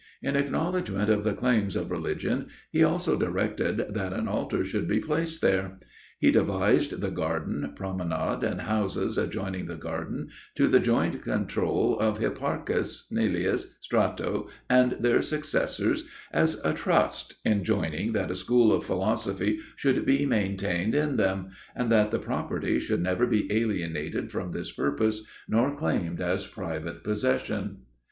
In acknowledgment of the claims of religion, he also directed that an altar should be placed there. He devised the garden, promenade, and houses adjoining the garden to the joint control of Hipparchus, Neleus, Strato, and their successors, as a trust, enjoining that a school of philosophy should be maintained in them, and that the property should never be alienated from this purpose nor claimed as private possession.